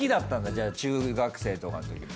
じゃあ中学生とかのときも。